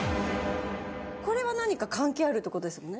これは何か関係あるって事ですもんね？